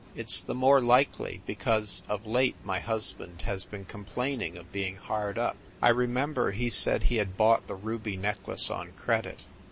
It s the more likely, because of late my husband has been complaining of being hard up I remember he said he had bought the ruby necklace on credit.